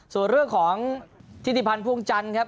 ส่วนเรื่องของทิติพันธ์พ่วงจันทร์ครับ